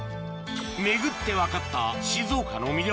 巡って分かった静岡の魅力